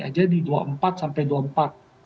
aja di dua puluh empat sampai dua puluh empat